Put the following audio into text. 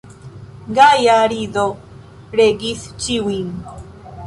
Gaja rido regis ĉiujn.